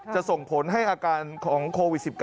ส่งผลให้อาการของโควิด๑๙